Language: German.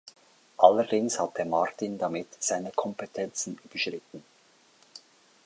Allerdings hatte Martin damit seine Kompetenzen überschritten.